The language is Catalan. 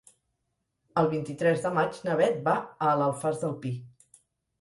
El vint-i-tres de maig na Beth va a l'Alfàs del Pi.